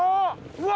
うわ！